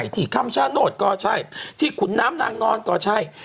ที่คำชโนธก็ใช่ที่ขุนน้ำนางนอนก็ใช่